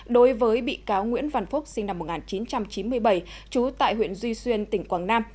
đối với bị cáo nguyễn văn phúc sinh năm một nghìn chín trăm chín mươi bảy trú tại huyện duy xuyên tỉnh quảng nam